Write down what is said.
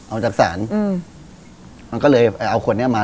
มันก็เลยเอาขวดนี้มา